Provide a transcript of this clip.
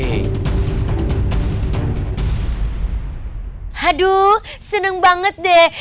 hai haduh seneng banget deh